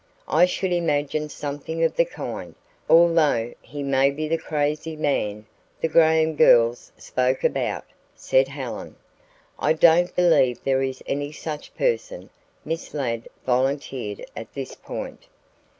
"I should imagine something of the kind, although he may be the crazy man the Graham girls spoke about," said Helen. "I don't believe there is any such person," Miss Ladd volunteered at this point.